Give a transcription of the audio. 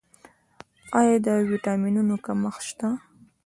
آیا د ویټامینونو کمښت شته؟